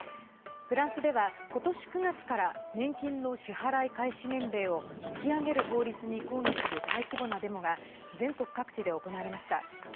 フランスでは今年９月から年金の支払い開始年齢を引き上げる法律に抗議する大規模なデモが全国各地で行われました。